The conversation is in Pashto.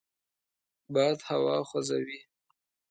باد هوا خوځوي